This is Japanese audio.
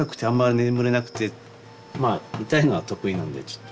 まあ痛いのは得意なんでちょっと。